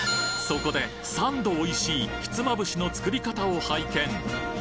そこで、３度おいしいひつまぶしの作り方を拝見。